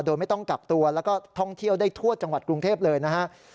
โดยไม่ต้องกักตัวแล้วก็ท่องเที่ยวได้ทั่วจังหวัดกรุงเทพเลยนะครับ